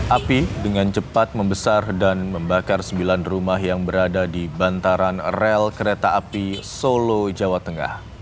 api dengan cepat membesar dan membakar sembilan rumah yang berada di bantaran rel kereta api solo jawa tengah